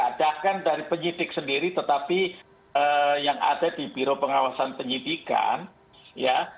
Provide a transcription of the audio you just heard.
adakan dari penyidik sendiri tetapi yang ada di biro pengawasan penyidikan ya